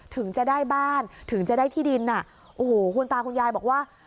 ถึงจะได้บ้านถึงจะได้ที่ดินอ่ะโอ้โหคุณตาคุณยายบอกว่า